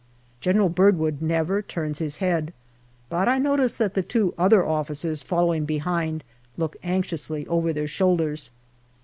General Birdwood never turns his head, but I notice that the two other officers following behind look anxiously over their shoulders.